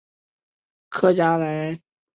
客家人则呼为挂纸。